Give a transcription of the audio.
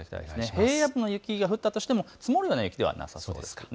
平野部で雪が降ったとしても積もるような雪ではないんです。